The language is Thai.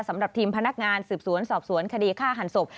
สำหรับทีมพนักงานสืบสวนสอบสวนคดีฆ่าหันศพ